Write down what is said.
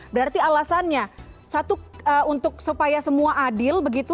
berarti alasannya satu untuk supaya semua adil begitu